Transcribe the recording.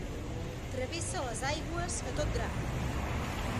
Travessa les aigües a tot drap.